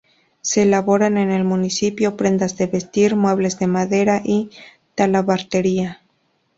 Se elaboran en el municipio prendas de vestir, muebles de madera y talabartería.